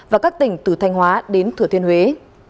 và các tỉnh từ thanh hóa đến thừa thiên huế